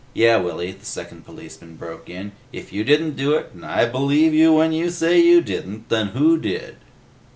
"Yeh, Willy," the second policeman broke in, "if you didn't do it, and I believe you when you say you didn't, then who did?"